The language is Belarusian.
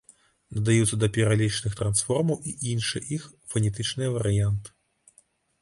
Дадаюцца да пералічаных трансформаў і іншыя іх фанетычныя варыянты.